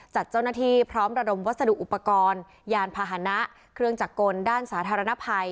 จัดเจ้าหน้าที่พร้อมระดมวัสดุอุปกรณ์ยานพาหนะเครื่องจักรกลด้านสาธารณภัย